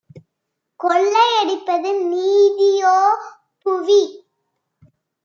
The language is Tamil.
கொள்ளை யடிப்பதும் நீதியோ - புவி